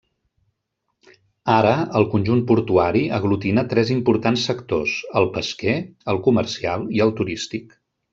Ara, el conjunt portuari aglutina tres importants sectors: el pesquer, el comercial i el turístic.